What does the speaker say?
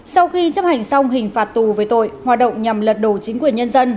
sau khi chấp hành xong hình phạt tù về tội hoạt động nhằm lật đổ chính quyền nhân dân